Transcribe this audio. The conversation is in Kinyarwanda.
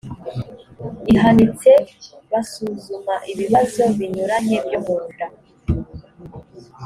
ihanitse basuzuma ibibazo binyuranye byo munda